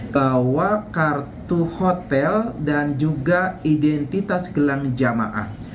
bawa kartu hotel dan juga identitas gelang jamaah